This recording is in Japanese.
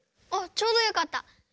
あっちょうどよかった。